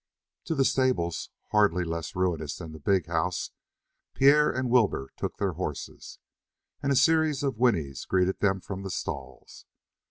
To the stables, hardly less ruinous than the big house, Pierre and Wilbur took their horses, and a series of whinnies greeted them from the stalls.